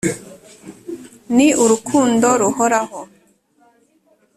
ni urukundo ruhoraho